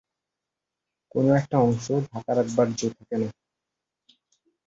কোনো-একটা অংশ ঢাকা রাখবার জো থাকে না।